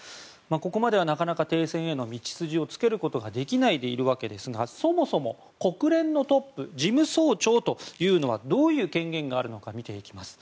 ここまでなかなか停戦への道筋をつけないでいるわけですがそもそも、国連のトップ事務総長というのはどういう権限があるのか見ていきます。